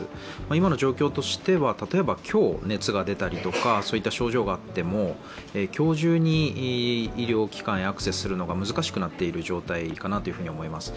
今の状況としては、例えば今日、熱が出たりとか、そういった症状があっても今日中に医療機関へアクセスするのが難しくなっている状態かなと思います。